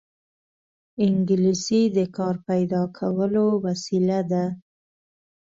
انګلیسي د کار پیدا کولو وسیله ده